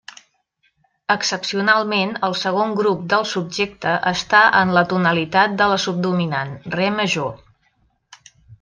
Excepcionalment, el segon grup del subjecte està en la tonalitat de la subdominant, re major.